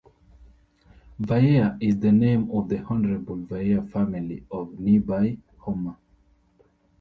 "Vaea" is the name of the Honorable Vaea Family of nearby Houma.